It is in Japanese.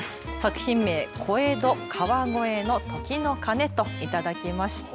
作品名、小江戸川越の時の鐘と頂きました。